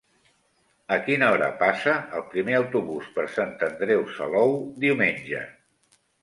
A quina hora passa el primer autobús per Sant Andreu Salou diumenge?